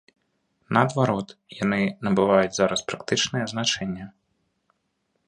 Наадварот, яны набываюць зараз практычнае значэнне.